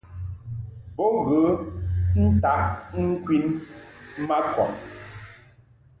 Ba ghə ntaʼ ŋkwin ma kɔb.